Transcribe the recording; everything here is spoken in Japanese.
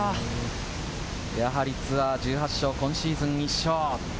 やはりツアー１８勝、今シーズン１勝。